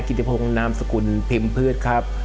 กิจพรงนามสกุลพิมพฤษครับ